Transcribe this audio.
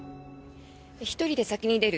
１人で先に出る。